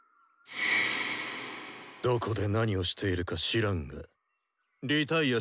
どこで何をしているか知らんがリタイアするならしろ。